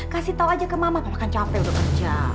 kasih tau aja ke mama papa kan capek udah kerja